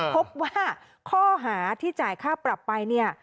พบว่าข้อหาที่จ่ายค่าปรับไปเนี่ย